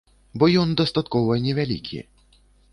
Бо ён дастаткова невялікі.